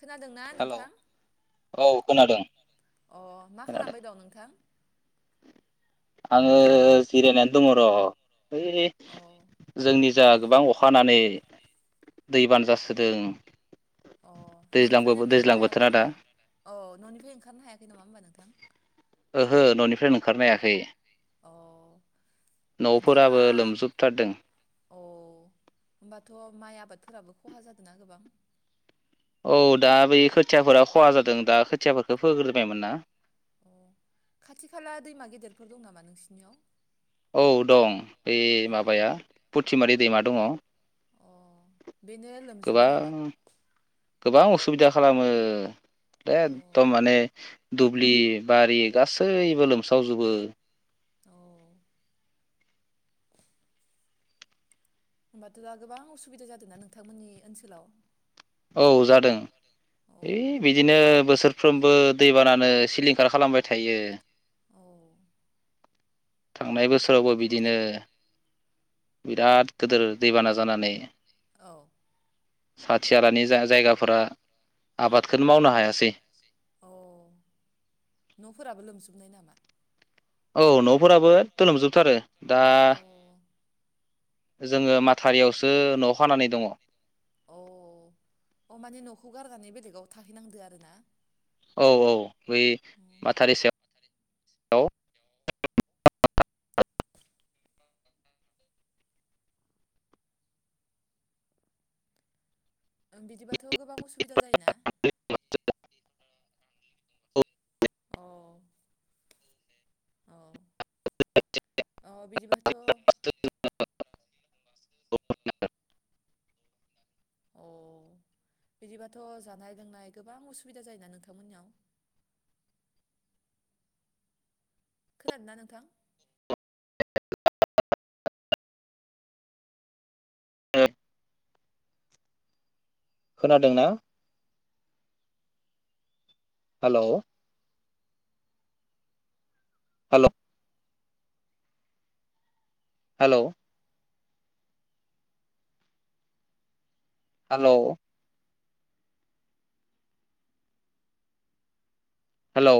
खोनादोंना हेलौ नोंथां औ खोनादों अ मा खोनादों खालामबाय दं नोंथां आङो जिरायनानै दं र' अ ब जोंनि जा गोबां अखानानै दैबान जासोदों अ दैज्लां न'निफ्रायनो ओंखारनो दैज्लां हायाखै बोथोरा दा नामा अ न'निफ्राय ओंखारनो हायाखै नामा होमबा नोंथां ओहो न'निफ्रायनो ओंखारनो हायाखै अह दैमा न'फोराबो लोमजोबथारदों अह होनबाथ' माया आबादफोराबो खहा जादों ना गोबां औ दा बेै खोथियाफोरा खहा जादों दा खोथिया फोग्रोजोबायमोन ना खाथि खाला दैमा गेदेरफोर दं नामा नोंसिनियाव औ दं बे अ माबाया फुथिमारि दैमा दङ अ बेनो लोमजोबो नामा गोबां गोबां असुबिदा खालामो अ एकदम माने दु दुब्लि बारि गासैबो लोमसावजोबो औ होमबाथ' दा गोबां असुबिदा जादोंना नोंथांमोननि ओनसोलाव औ जादों औ है बिदिनो बोसोरफ्रोमबो दैबानानो सिलिं खार खालामबाय थायो औ थांनाय बोसोरावबो बिदिनो बिराद गोदोर दैबाना जानानै औ साथि आलानि जा उम जायगाफोरा आबादखौनो मावनो हायासै अ न'फ्राबो लोमजुबनाय नामा? औ न'फोराबो एकट' लोमजोबथारो दा अ जोङो माथारियावसो न खानानै दङ अ अ माने न'खौ गारनानै बेलेगाव थाहैनांदो आरोना औ औ बै माथारि सायाव ओ बिदिबाथ' गोबां अ सुबिदा जायोना? अ औ अ बिदि बासथ' [unintelligible] अ बिदिबाथ' जानाय लोंनाय गोबां उसुबिदा जायोना नोंथांमोननियाव? खोनादोंना नोंथां? [unintelligible] ओं खोनादोंना? Hello hello hello hello hello